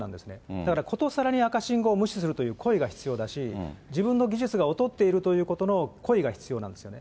だからことさらに赤信号を無視するという故意が必要だし、自分の技術が劣っていることの故意が必要なんですね。